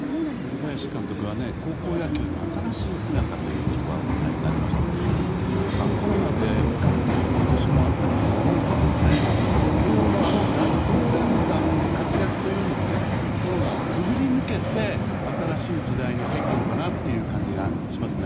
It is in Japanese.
森林監督は高校野球の新しい姿という言葉をお使いになりましたがコロナで無観客の年もあったことを思うと慶応のあの大応援団の活躍というのもコロナを潜り抜けて新しい時代に入ったのかなと思いますね。